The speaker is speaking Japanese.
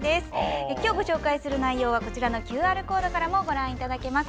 今日、ご紹介する内容はこちらのＱＲコードからもご覧いただけます。